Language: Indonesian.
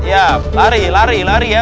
ya lari lari lari ya